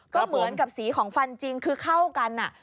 ก็เหมือนกับสีของฟันจริงคือเข้ากัน